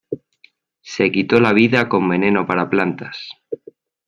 Se quitó la vida con veneno para plantas.